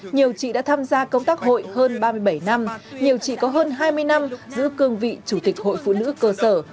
nhiều chị đã tham gia công tác hội hơn ba mươi bảy năm nhiều chị có hơn hai mươi năm giữ cương vị chủ tịch hội phụ nữ cơ sở